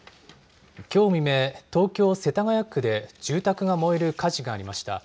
きょう未明、東京・世田谷区で住宅が燃える火事がありました。